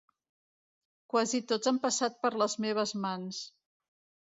quasi tots han passat per les meves mans